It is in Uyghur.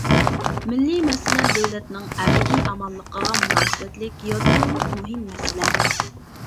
مىللىي مەسىلە دۆلەتنىڭ ئەبەدىي ئامانلىقىغا مۇناسىۋەتلىك يادرولۇق مۇھىم مەسىلە .